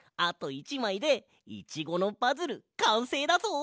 １まいでイチゴのパズルかんせいだぞ！